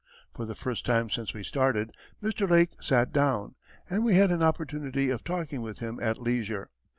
For the first time since we started, Mr. Lake sat down, and we had an opportunity of talking with him at leisure.